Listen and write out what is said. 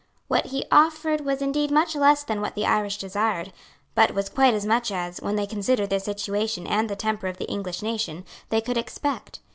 What he offered was indeed much less than what the Irish desired, but was quite as much as, when they considered their situation and the temper of the English nation, they could expect.